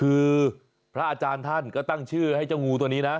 คือพระอาจารย์ท่านก็ตั้งชื่อให้เจ้างูตัวนี้นะ